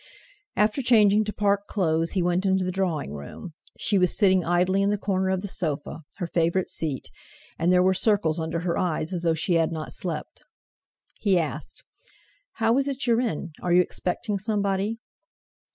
After changing to Park clothes he went into the drawing room. She was sitting idly in the corner of the sofa, her favourite seat; and there were circles under her eyes, as though she had not slept. He asked: "How is it you're in? Are you expecting somebody?"